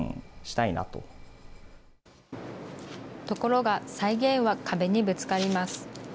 ところが再現は壁にぶつかります。